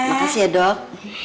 makasih ya dok